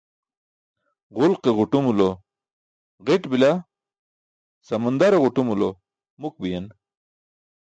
Ġulke ġuṭumulo ġi̇t bila, samandare ġuṭumulo muk biyen.